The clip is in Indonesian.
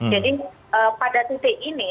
jadi pada titik ini